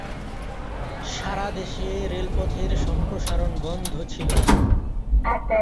সারা দেশে রেলপথের সম্প্রসারণ বন্ধ ছিল।